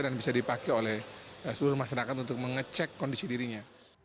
dan bisa dipakai oleh seluruh masyarakat untuk mengecek kondisi dirinya